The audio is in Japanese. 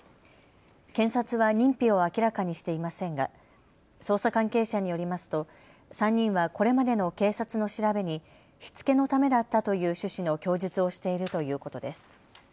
検察は認否を明らかにしていませんが捜査関係者によりますと３人はこれまでの警察の調べにしつけのためだったという趣旨の供述をしているということです。